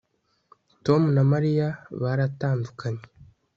tom na mariya baratandukanye